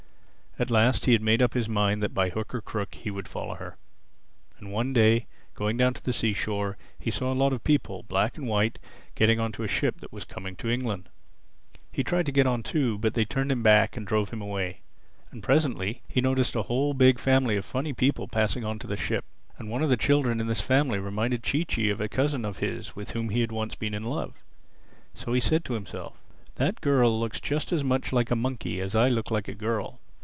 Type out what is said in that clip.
At last he had made up his mind that by hook or crook he would follow her. And one day, going down to the seashore, he saw a lot of people, black and white, getting on to a ship that was coming to England. He tried to get on too. But they turned him back and drove him away. And presently he noticed a whole big family of funny people passing on to the ship. And one of the children in this family reminded Chee Chee of a cousin of his with whom he had once been in love. So he said to himself, "That girl looks just as much like a monkey as I look like a girl.